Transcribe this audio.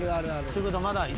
ということはまだ。